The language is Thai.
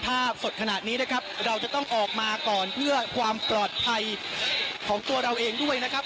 สดขนาดนี้นะครับเราจะต้องออกมาก่อนเพื่อความปลอดภัยของตัวเราเองด้วยนะครับ